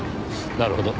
なるほど。